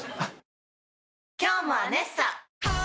今日も「アネッサ」！